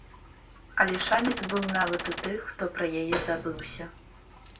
Але шанец быў нават у тых, хто пра яе забыўся.